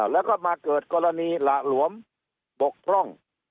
แล้วก็มาเกิดกรณีหละหลวมบกพร่อง